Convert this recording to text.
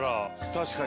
確かに。